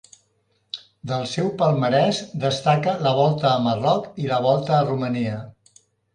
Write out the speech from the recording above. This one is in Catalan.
Del seu palmarès destaca la Volta a Marroc i la Volta a Romania.